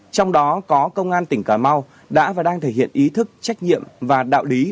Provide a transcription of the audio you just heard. trong đó có công an tỉnh cà mau đã và đang thể hiện ý thức trách nhiệm và đạo lý